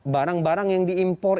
barang barang yang diimpor